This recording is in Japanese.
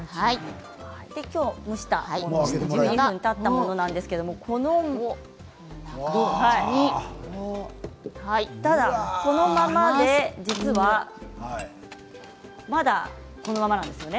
きょうは蒸したもの１２分たったものなんですがただこのままで、実はまだこのままなんですよね。